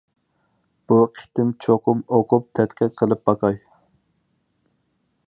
بۇ قېتىم چوقۇم ئوقۇپ تەتقىق قىلىپ باقاي.